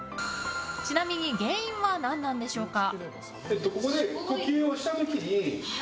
ちなみに原因は何なんでしょうか。